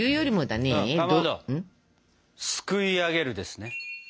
すくいあげるですね。